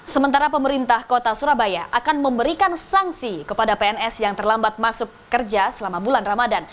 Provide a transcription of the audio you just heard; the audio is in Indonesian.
sementara pemerintah kota surabaya akan memberikan sanksi kepada pns yang terlambat masuk kerja selama bulan ramadan